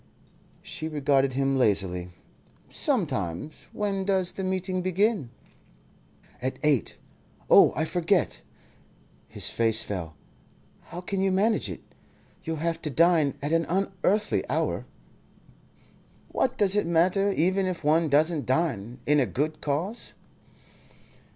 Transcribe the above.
She regarded him lazily. "Sometimes. When does the meeting begin?" "At eight. Oh, I forget." His face fell. "How can you manage it? You'll have to dine at an unearthly hour." "What does it matter even if one doesn't dine in a good cause?"